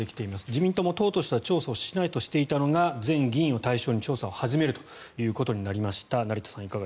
自民党も党としては調査をしないとしていたのが全議員を対象に調査を始めるということになりました。